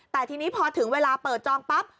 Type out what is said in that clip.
แต่ทีนี้พอถึงเวลาเปิดจองปั๊บ